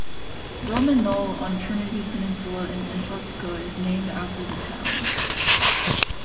Roman Knoll on Trinity Peninsula in Antarctica is named after the town.